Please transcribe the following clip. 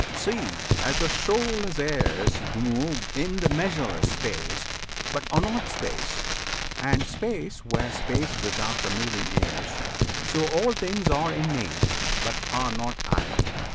See! as the shoreless airs Move in the measureless space, but are not space, [And space were space without the moving airs]; So all things are in Me, but are not I.